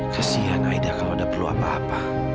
kesian aida kalau udah perlu apa apa